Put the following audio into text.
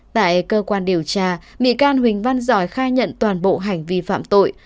tại cơ quan điều tra bị can huỳnh văn giỏi khai nhận toàn bộ hành vi phạm tội